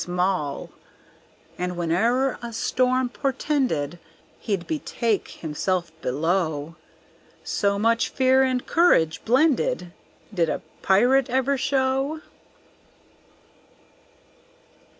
And whene'er a storm portended He'd betake himself below. So much fear and courage blended Did a pirate ever show?